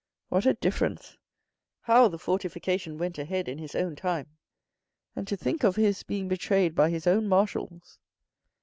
" What a difference. How the fortification went ahead in his time. And to think of his being betrayed by his own marshals."